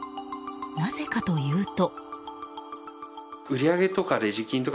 なぜかというと。